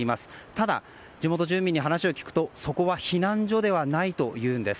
ただ、地元住民に話を聞くとそこは避難所ではないといいます。